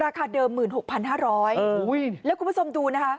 ราคาเดิม๑๖๕๐๐บาทแล้วคุณผู้ชมดูนะคะ